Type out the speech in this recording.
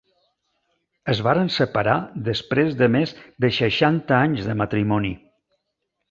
Es varen separar després de més de seixanta anys de matrimoni.